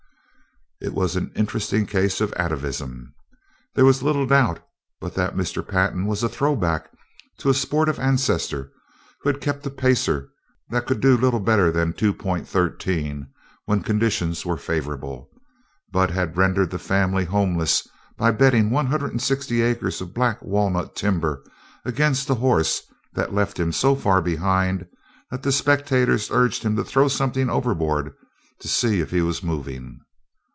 It was an interesting case of atavism. There was little doubt but that Mr. Pantin was a throwback to a sportive ancestor who had kept a pacer that could do a little better than 2.13 when conditions were favorable, but had rendered the family homeless by betting one hundred and sixty acres of black walnut timber against a horse that left him so far behind that the spectators urged him to throw something overboard to see if he was moving.